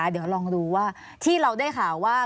เดี๋ยวลองดูว่าที่เราได้ข่าวว่า